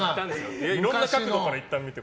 いろんな角度からいったん見て。